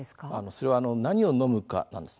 それは何を飲むかです。